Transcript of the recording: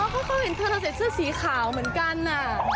เขาเห็นเธอเก็บเสื้อสีขาวเหมือนกัน